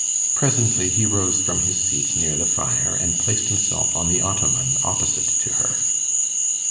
Presently he rose from his seat near the fire, and placed himself on the ottoman opposite to her.